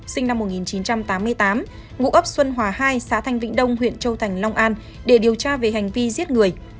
sinh năm một nghìn chín trăm tám mươi tám ngụ ấp xuân hòa hai xã thanh vĩnh đông huyện châu thành long an để điều tra về hành vi giết người